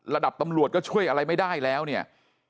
ตำรวจก็ช่วยอะไรไม่ได้แล้วเนี่ย